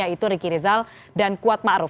yaitu ricky rizal dan kuat ma'ruf